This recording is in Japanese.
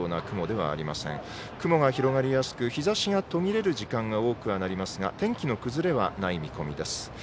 雲が広がりやすく日ざしが途切れる時間が多くなりますが天気の崩れはない見込みです。